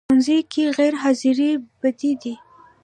ښوونځی کې غیر حاضرې بدې دي